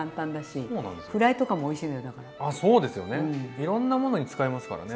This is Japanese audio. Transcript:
いろんなものに使えますからね。